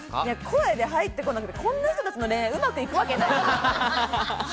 声で入ってこなくて、こんな人たちの恋愛うまくいくわけない。